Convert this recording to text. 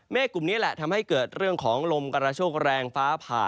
กลุ่มนี้แหละทำให้เกิดเรื่องของลมกระโชคแรงฟ้าผ่า